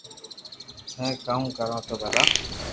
ھي ڪاو ڪرو تو ڀلا